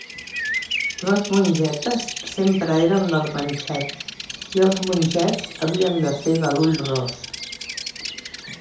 Les mongetes sempre eren del ganxet i els mongets havien de ser de l'ull ros.